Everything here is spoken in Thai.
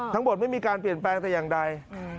ทั้งหมดไม่มีการเปลี่ยนแปลงแต่อย่างใด